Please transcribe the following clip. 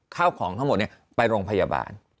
ข้าวของทั้งหมดไปโรงพยาบาล